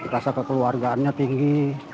rasa kekeluargaannya tinggi